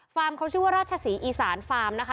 เขาชื่อว่าราชศรีอีสานฟาร์มนะคะ